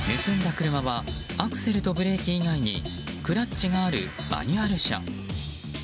車はアクセルとブレーキ以外にクラッチがあるマニュアル車。